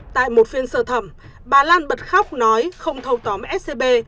tại một phiên sơ thẩm bà lan bật khóc nói không thâu tóm scb